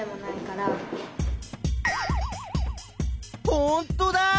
ほんとだ！